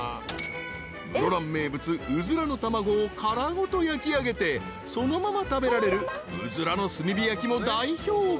［室蘭名物ウズラの卵を殻ごと焼きあげてそのまま食べられるうずらの炭火焼も大評判］